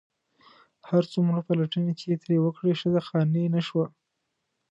هر څومره پلټنې چې یې ترې وکړې ښځه قانع نه شوه.